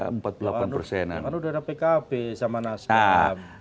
kalau ada pkp sama nasdam